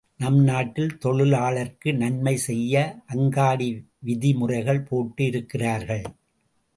நம் நாட்டில் தொழிலாளர்க்கு நன்மை செய்ய அங்காடி விதி முறைகள் போட்டு இருக்கிறார்கள்.